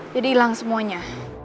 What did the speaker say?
jadi hilang semuanya